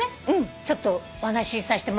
ちょっとお話しさせてもらおうかなと。